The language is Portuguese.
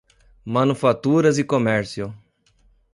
Manufaturas e Comércio